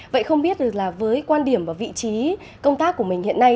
vậy không biết được là với quan điểm và vị trí công tác của mình hiện nay